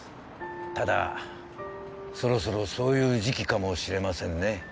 ただそろそろそういう時期かもしれませんね